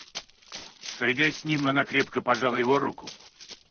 Сойдясь с ним, она крепко пожала его руку.